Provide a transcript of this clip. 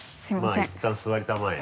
まぁいったん座りたまえよ。